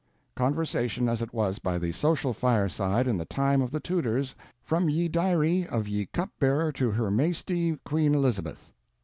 Conversation As It Was By The Social Fire side In The Time Of The Tudors from Ye Diary of Ye Cupbearer to her Maisty Queen Elizabeth.